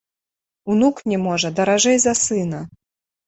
Унук мне, можа, даражэй за сына.